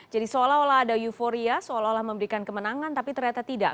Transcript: jadi seolah olah ada euforia seolah olah memberikan kemenangan tapi ternyata tidak